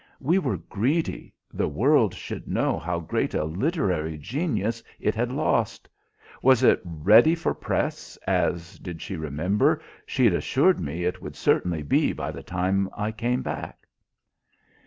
We were greedy; the world should know how great a literary genius it had lost. Was it ready for press, as did she remember? she'd assured me it would certainly be by the time I came back?"